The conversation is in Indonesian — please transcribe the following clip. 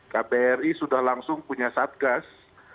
kbri sudah langsung punya satgas